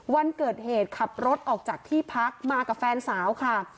วันเกิดเหตุขับรถออกจากที่พักมากับแฟนสาวค่ะ